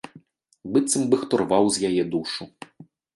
Быццам бы хто рваў з яе душу.